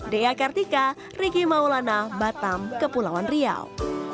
dea kartika riki maulana batam kepulauan riau